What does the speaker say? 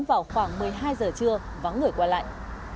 vào khoảng một mươi hai giờ trưa và ngửi qua lạnh